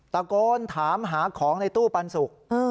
ตะโกนถามหาของในตู้ปันสุก